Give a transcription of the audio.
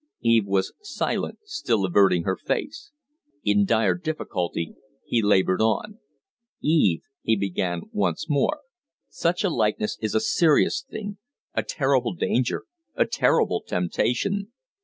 Eve was silent, still averting her face. In dire difficulty he labored on. "Eve," he began once more, "such a likeness is a serious thing a terrible danger a terrible temptation.